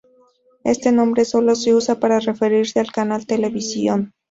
Este nombre solo se usa para referirse al canal televisión.